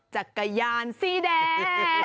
จักรยานสีแดง